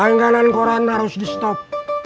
langganan koran harus di stop